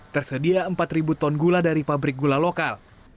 tersedia empat ton gula dari pabrik gula lokal